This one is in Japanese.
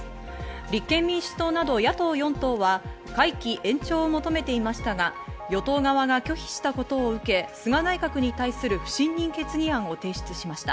立憲民主党など野党４党は会期延長を求めていましたが、与党側が拒否したことを受け、菅内閣に対する不信任決議案を提出しました。